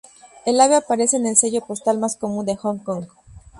El ave aparece en el sello postal más común de Hong Kong.